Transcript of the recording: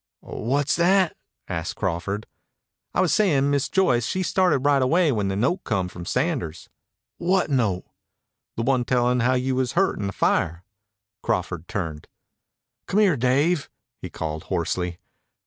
"What's that?" asked Crawford. "I was sayin' Miss Joyce she started right away when the note come from Sanders." "What note?" "The one tellin' how you was hurt in the fire." Crawford turned. "Come here, Dave," he called hoarsely.